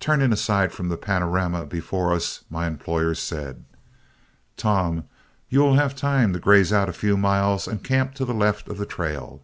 Turning aside from the panorama before us, my employer said: "Tom, you will have time to graze out a few miles and camp to the left of the trail.